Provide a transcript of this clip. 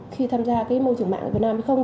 khi tham gia môi trường mạng việt nam hay không